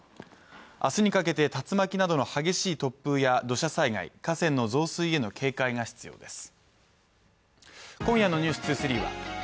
明日にかけて竜巻などの激しい突風や土砂災害河川の増水への警戒が必要です